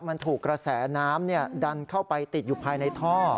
มันถูกกระแสน้ำดันเข้าไปติดอยู่ภายในท่อ